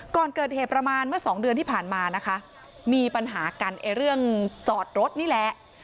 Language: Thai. ก่อนเกิดเหตุประมาณเมื่อสองเดือนที่ผ่านมานะคะมีปัญหากันไอ้เรื่องจอดรถนี่แหละ